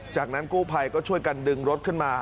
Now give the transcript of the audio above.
จากนั้นกู้ภัยก็ช่วยกันดึงรถขึ้นมา